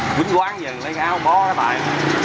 quýnh quang giờ lấy cái áo bó cái bài